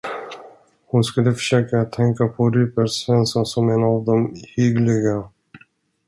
Hon skulle försöka att tänka på Rupert Svensson som en av de hyggliga.